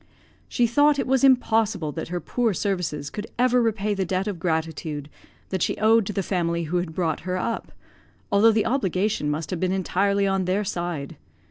She thought it was impossible that her poor services could ever repay the debt of gratitude that she owed to the family who had brought her up, although the obligation must have been entirely on their side.